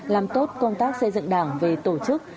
làm tốt công tác xây dựng đảng về tổ chức